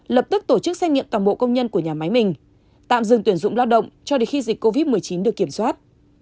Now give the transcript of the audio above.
lập tức tổ chức xét nghiệm toàn bộ công nhân của nhà máy mình tạm dừng tuyển dụng lao động cho đến khi dịch covid một mươi chín được kiểm soát